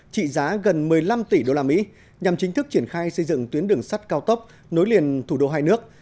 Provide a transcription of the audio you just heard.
trị giá gần một mươi năm tỷ usd nhằm chính thức triển khai xây dựng tuyến đường sắt cao tốc nối liền thủ đô hai nước